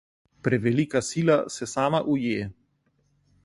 Prevelika sila se sama uje.